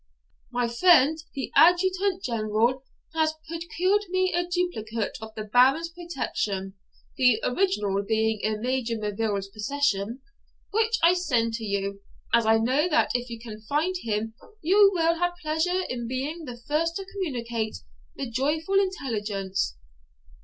My friend, the adjutant general, has procured me a duplicate of the Baron's protection (the original being in Major Melville's possession), which I send to you, as I know that if you can find him you will have pleasure in being the first to communicate the joyful intelligence.